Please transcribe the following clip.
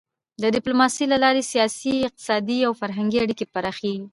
د ډيپلوماسی له لارې سیاسي، اقتصادي او فرهنګي اړیکې پراخېږي.